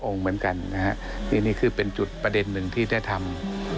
เหมือนกันนะฮะนี่นี่คือเป็นจุดประเด็นหนึ่งที่ได้ทำ